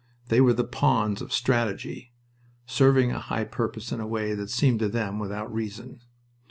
They were the pawns of "strategy," serving a high purpose in a way that seemed to them without reason.